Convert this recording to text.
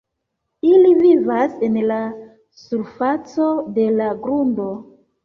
Ili vivas en la surfaco de la grundo.